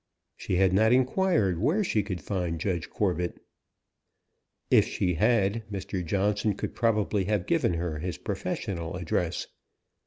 She had not enquired where she could find Judge Corbet; if she had, Mr. Johnson could probably have given her his professional address.